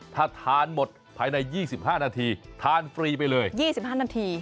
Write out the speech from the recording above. ถ้าทานหมดภายใน๒๕นาทีทานฟรีไปเลย๒๕นาที